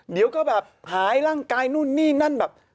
เดี๋ยวก็แบบหายร่างกายนู่นนี่นั่นแบบ